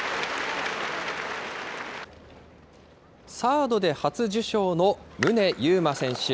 サードで初受賞の宗佑磨選手。